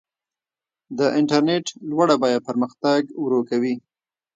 د انټرنیټ لوړه بیه پرمختګ ورو کوي.